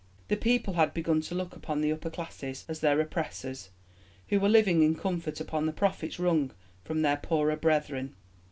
The people had begun to look upon the upper classes as their oppressors, who were living in comfort upon the profits wrung from their poorer brethren.